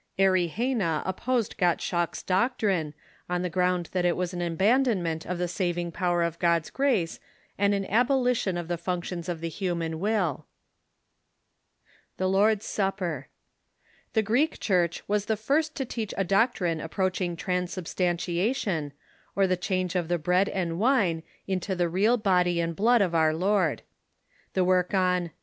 Erigena opposed Gottschalk's doctrine, on the ground that it was an abandonment of the saving power of God's grace and an abolition of the functions of the human will. The Greek Church was the first to teach a doctrine approach ing transubstantiation, or the change of the bread and wine into the real body and blood of our Lord. The work ^"suipe!'